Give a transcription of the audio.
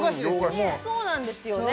もうそうなんですよね